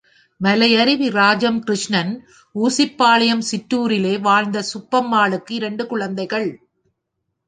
மலை யருவி —ராஜம் கிருஷ்ணன்— ஊசிப்பாளையம் சிற்றூரிலே வாழ்ந்த சுப்பம்மாளுக்கு இரண்டு குழந்தைகள்.